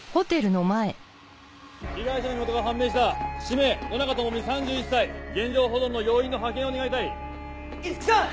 ・被害者の身元が判明した氏名野中ともみ３１歳・・現状保存の要員の派遣を願いたい・いつきさん！